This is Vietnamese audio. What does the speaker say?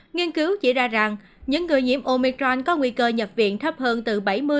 nghiên cứu chỉ ra rằng những người nhiễm omicron có nguy cơ nhập viện thấp hơn từ bảy mươi